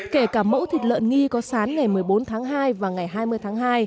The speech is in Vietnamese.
kể cả mẫu thịt lợn nghi có sán ngày một mươi bốn tháng hai và ngày hai mươi tháng hai